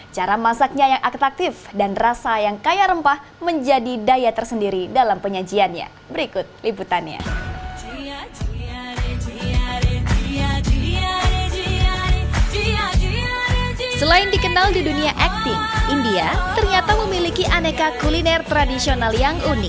cara masaknya yang aktaktif dan rasa yang kaya rempah menjadi daya tersendiri dalam penyajiannya